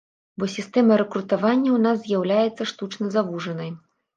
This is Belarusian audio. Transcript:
Бо сістэма рэкрутавання ў нас з'яўляецца штучна завужанай.